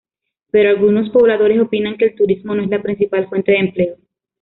Pero algunos pobladores opinan que el "turismo... no es la principal fuente de empleo.